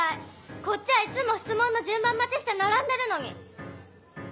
こっちはいつも質問の順番待ちして並んでるのに。